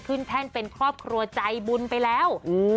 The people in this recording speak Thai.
แท่นเป็นครอบครัวใจบุญไปแล้ว